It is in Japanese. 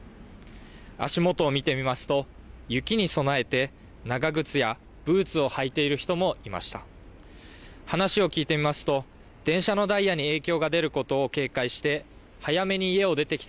足元を見てみますと、雪に備えて、長靴やブーツを履いている人もいました。